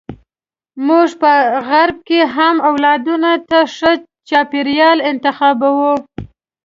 موږ په غرب کې هم اولادونو ته ښه چاپیریال انتخابوو.